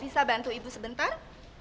bisa bantu ibu sebentar